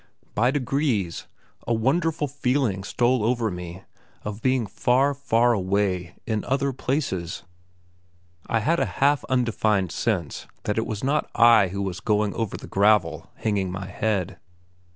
By degrees, a wonderful feeling stole over me of being far, far away in other places; I had a half undefined sense that it was not I who was going along over the gravel hanging my head.